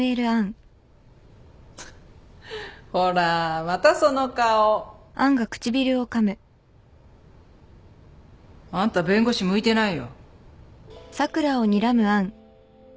フッほらまたその顔。あんた弁護士向いてないよ。